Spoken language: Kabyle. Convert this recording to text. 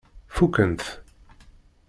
Fukken-t?